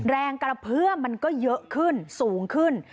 แรงกระเพื่อมันก็เยอะขึ้นสูงขึ้น